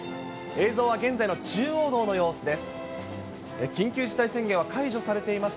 映像は現在の中央道の様子です。